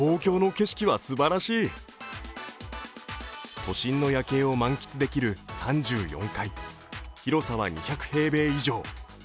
都心の夜景を満喫できる３４階、広さは２０平米以上。